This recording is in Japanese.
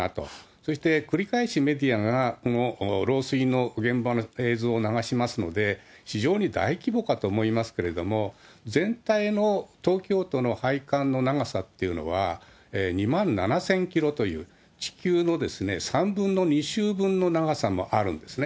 そして繰り返しメディアが漏水の現場の映像を流しますので、非常に大規模かと思いますけれども、全体の東京都の配管の長さっていうのは２万７０００キロという、地球の３分の２周分の長さもあるんですね。